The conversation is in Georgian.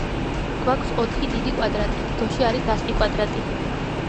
გვაქვს ოთხი დიდი კვადრატი, თითოში არის ასი კვადრატი.